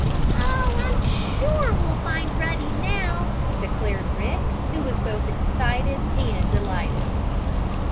"Oh, I'm sure we'll find Ruddy now!" declared Rick, who was both excited and delighted.